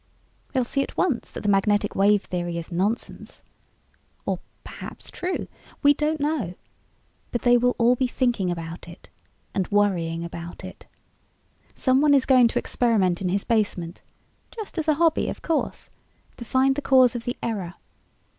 They'll see at once that the magnetic wave theory is nonsense. Or perhaps true? We don't know. But they will all be thinking about it and worrying about it. Someone is going to experiment in his basement just as a hobby of course to find the cause of the error.